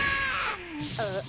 あっ。